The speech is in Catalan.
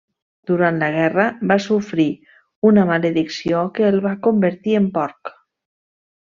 Durant la guerra va sofrir una maledicció que el va convertir en porc.